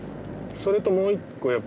それともう一個